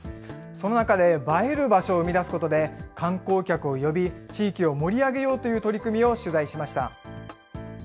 その中で映える場所を生み出すことで、観光客を呼び、地域を盛り上げようという取り組みを取材しました。